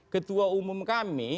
ketua umum kami